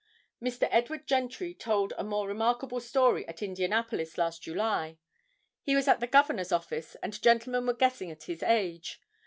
Mr. Edward Gentry told a more remarkable story at Indianapolis, last July. He was at the governor's office, and gentlemen were guessing at his age.